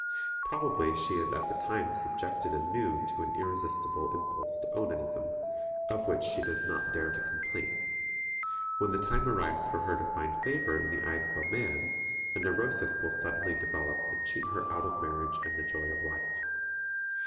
Probably she is at the time subjected anew to an irresistible impulse to onanism, of which she does not dare to complain. When the time arrives for her to find favor in the eyes of a man, a neurosis will suddenly develop and cheat her out of marriage and the joy of life.